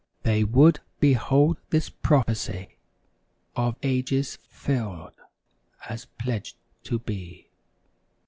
They would behold the prophesy Of ages filled as pledged to be.